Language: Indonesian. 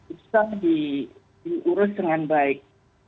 bisa diurus dengan baik